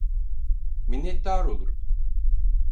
Minnettar olurum.